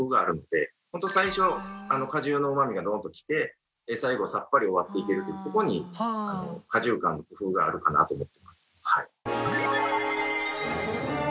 ホント最初果汁のうまみがドーンと来て最後さっぱり終わっていけるというここに果汁感の工夫があるかなと思ってます。